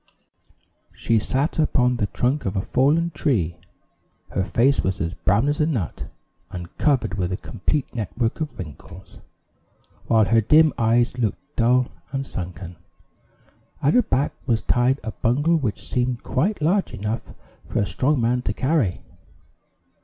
She sat upon the trunk of a fallen tree; her face was as brown as a nut, and covered with a complete network of wrinkles, while her dim eyes looked dull and sunken. At her back was tied a bundle which seemed quite large enough for a strong man to carry.